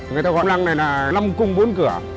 người ta gọi là lăng mẫu liễu hạnh là năm cung bốn cửa